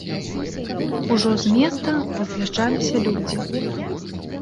Ужо з места раз'язджаліся людзі.